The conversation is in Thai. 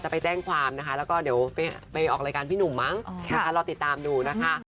ไปแจ้งความนะคะแล้วก็เดี๋ยวไปออกรายการพี่หนุ่มมั้งนะคะรอติดตามดูนะคะ